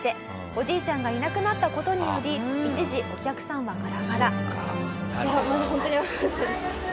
おじいちゃんがいなくなった事により一時お客さんはガラガラ。